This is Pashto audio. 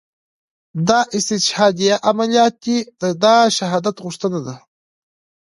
دا استشهاديه عمليات دي دا شهادت غوښتنه ده.